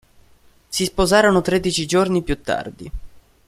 Si sposarono tredici giorni più tardi.